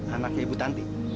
anaknya ibu tante